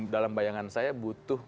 dalam bayangan saya butuh